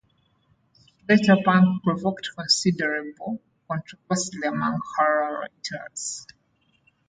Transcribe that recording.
Splatterpunk provoked considerable controversy among horror writers.